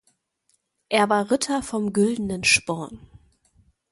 Er war Ritter vom güldenen Sporn.